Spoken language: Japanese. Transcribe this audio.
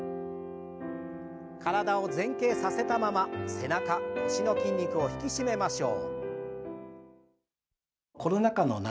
体を前傾させたまま背中、腰の筋肉を引き締めましょう。